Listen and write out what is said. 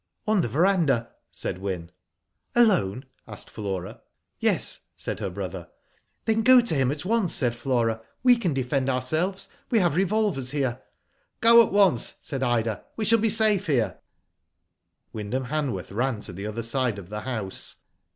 "On the verandah," said Wyn. "Alone?" asked Flora. "Yes," said her brother. "Then go to him at once," said Flora. "We can defend ourselves. We have revolvers here." "Go at once," said Ida. "We shall be safe here." Wyndham Hanworth ran to the other side of the house.